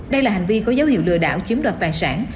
đây là hành vi có dấu hiệu lừa đảo chiếm đoạt tài sản